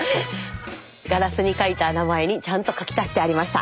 ガラスに書いた名前にちゃんと書き足してありました。